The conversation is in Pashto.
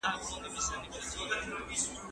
زه به سبا ليکنه وکړم.